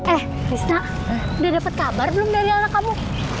eh rizna udah dapet kabar belum dari anak kamu